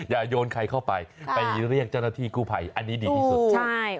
โยนใครเข้าไปไปเรียกเจ้าหน้าที่กู้ภัยอันนี้ดีที่สุดใช่